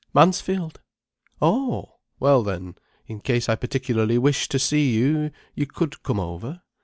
"Mansfield!" "Oh! Well then, in case I particularly wished to see you, you could come over?"